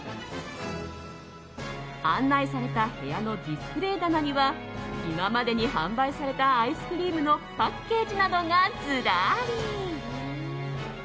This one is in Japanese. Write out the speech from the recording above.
案内された部屋のディスプレー棚には今までに販売されたアイスクリームのパッケージなどがずらり。